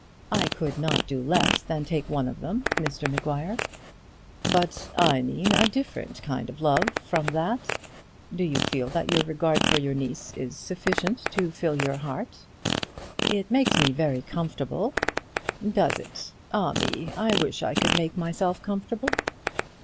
"I could not do less than take one of them, Mr Maguire." "But I meant a different kind of love from that. Do you feel that your regard for your niece is sufficient to fill your heart?" "It makes me very comfortable." "Does it? Ah! me; I wish I could make myself comfortable."